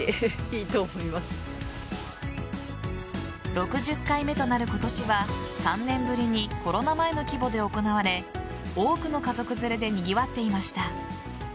６０回目となる今年は３年ぶりにコロナ前の規模で行われ多くの家族連れでにぎわっていました。